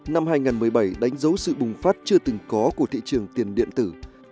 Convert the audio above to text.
năm hai nghìn một mươi bảy đánh dấu sự bùng phát chưa từng có của thị trường tiền điện tử